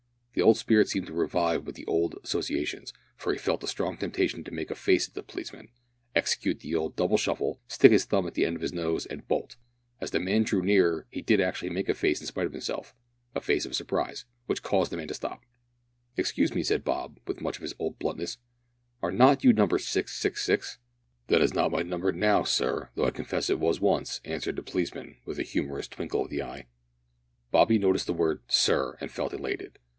The old spirit seemed to revive with the old associations, for he felt a strong temptation to make a face at the policeman, execute the old double shuffle, stick his thumb to the end of his nose, and bolt! As the man drew nearer he did actually make a face in spite of himself a face of surprise which caused the man to stop. "Excuse me," said Bob, with much of his old bluntness, "are not you Number 666?" "That is not my number now, sir, though I confess it was once," answered the policeman, with a humorous twinkle of the eye. Bobby noticed the word "sir," and felt elated.